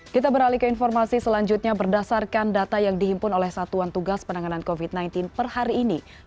kita beralih ke informasi selanjutnya berdasarkan data yang dihimpun oleh satuan tugas penanganan covid sembilan belas per hari ini